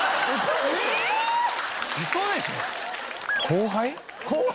後輩？